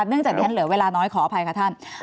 เนื่องจากดิฉันเหลือเวลาน้อยขออภัยค่ะท่าน